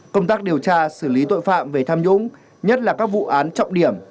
công tác điều tra xử lý tội phạm về tham nhũng nhất là các vụ án trọng điểm